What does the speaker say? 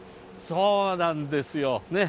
そうなんですよね。